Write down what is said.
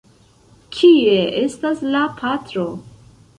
Kie estas la patro?